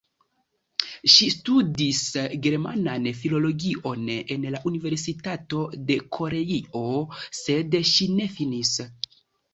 Ŝi studis germanan filologion en la Universitato de Koreio, sed ŝi ne finis.